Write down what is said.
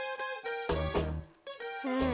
うん。